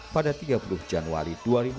pada tiga puluh januari dua ribu dua puluh